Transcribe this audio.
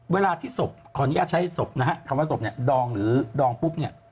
เวลาที่ศพขออนุญาตใช้ศพนะฮะคำว่าศพเนี่ยดองหรือดองปุ๊บเนี่ย